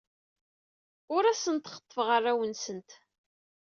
Ur asent-xeḍḍfeɣ arraw-nsent.